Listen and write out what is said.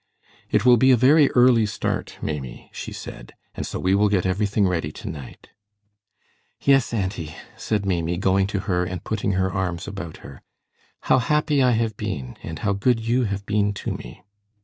"It will be a very early start, Maimie," she said, "and so we will get everything ready to night." "Yes, auntie," said Maimie, going to her and putting her arms about her. "How happy I have been, and how good you have been to me!"